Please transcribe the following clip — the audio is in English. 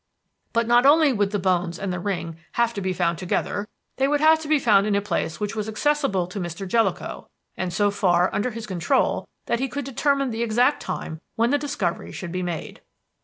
"But not only would the bones and the ring have to be found together. They would have to be found in a place which was accessible to Mr. Jellicoe, and so far under his control that he could determine the exact time when the discovery should be made.